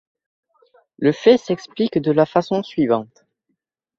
Le fait s'explique de la façon suivante.